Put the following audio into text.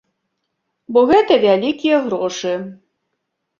Бо гэта вялікія грошы.